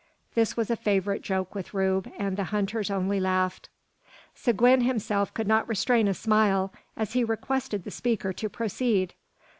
This was a favourite joke with Rube, and the hunters only laughed. Seguin himself could not restrain a smile, as he requested the speaker to proceed.